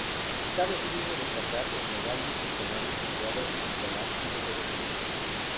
Cabe asimismo destacar el nogal bicentenario situado junto al ábside de la iglesia.